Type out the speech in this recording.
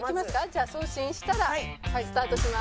じゃあ送信したらスタートします。